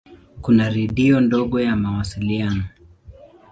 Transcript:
Kuna redio ndogo ya mawasiliano.